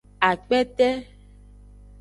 Akpete.